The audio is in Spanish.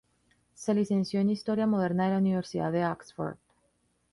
Se licenció en Historia Moderna en la Universidad de Oxford.